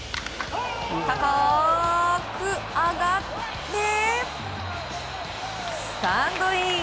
高く上がってスタンドイン。